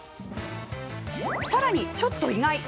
さらに、ちょっと意外！